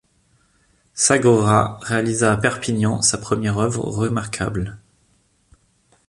Sagrera réalisa à Perpignan sa première œuvre remarquable.